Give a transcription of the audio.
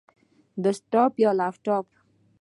ډیسکټاپ یا لپټاپ؟